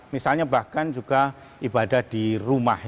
misalnya bahkan juga ibadah di rumah